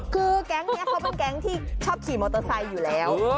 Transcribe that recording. คือแก๊งนี้เขาเป็นแก๊งที่ชอบขี่มอเตอร์ไซค์อยู่แล้ว